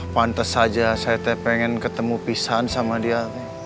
pantes saja saya pengen ketemu pisahan sama dia